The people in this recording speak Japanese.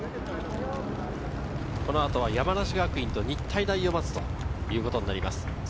このあとは山梨学院と日体大を待つことになります。